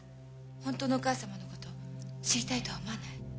本当のお母様のこと知りたいとは思わない？